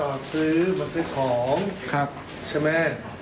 รถผมว่าจะซื้อของใช่ไหม